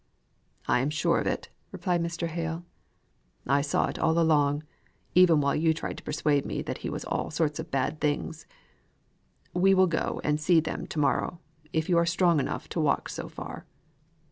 "I am sure of it," replied Mr. Hale. "I saw it all along, even while you tried to persuade me that he was all sorts of bad things. We will go and see them to morrow, if you are strong enough to walk so far."